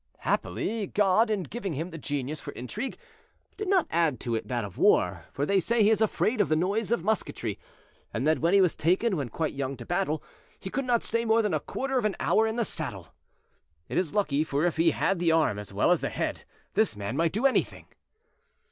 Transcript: Happily, God, in giving him the genius for intrigue, did not add to it that of war; for they say he is afraid of the noise of musketry, and that when he was taken, when quite young, to battle, he could not stay more than a quarter of an hour in the saddle. It is lucky, for if he had the arm, as well as the head, this man might do anything.